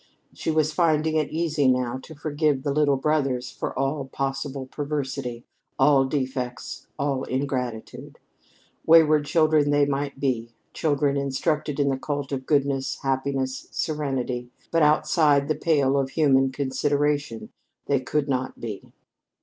She was finding it easy now to forgive "the little brothers" for all possible perversity, all defects, all ingratitude. Wayward children they might be, children uninstructed in the cult of goodness, happiness, serenity, but outside the pale of human consideration they could not be.